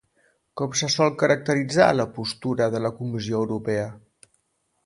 Com se sol caracteritzar la postura de la Comissió Europea?